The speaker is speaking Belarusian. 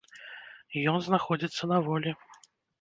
Ён знаходзіцца на волі.